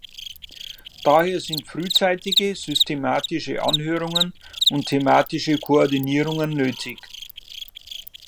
Daher sind frühzeitige, systematische Anhörungen und thematische Koordinierungen nötig.